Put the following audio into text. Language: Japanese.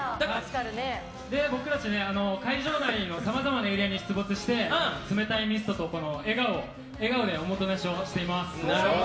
僕たちは会場内のさまざまなエリアに登場して冷たいミストと笑顔でおもてなしをしています。